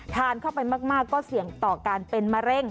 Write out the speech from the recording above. ทานเข้าไปมากก็เสี่ยงต่อการเป็นมะเร็ง